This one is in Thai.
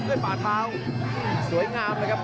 น้องเอวตี้ปงด้วยสีชีวะ